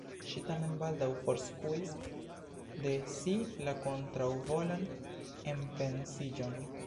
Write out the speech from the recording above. Ŝi tamen baldaŭ forskuis de si la kontraŭvolan enpensiĝon.